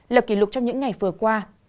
lập kỷ lục trong những ngày vừa qua